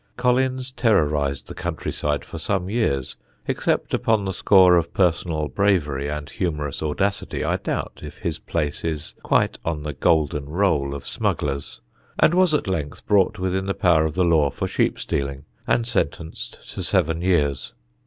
Collins terrorised the country side for some years (except upon the score of personal bravery and humorous audacity, I doubt if his place is quite on the golden roll of smugglers) and was at length brought within the power of the law for sheep stealing, and sentenced to seven years.